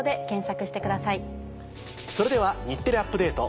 それでは『日テレアップＤａｔｅ！』